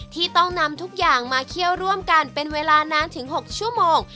ที่ต้องนำทุกอย่างมาเคี่ยวร่วมกันเป็นเวลานานถึง๖ชั่วโมง